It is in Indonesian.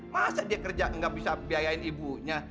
masa dia kerja nggak bisa biayain ibunya